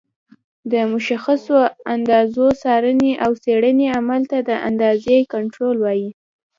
د مشخصو اندازو څارنې او څېړنې عمل ته د اندازې کنټرول وایي.